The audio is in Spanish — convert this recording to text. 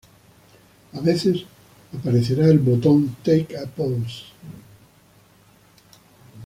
A veces, aparecerá el botón "Take a Pose".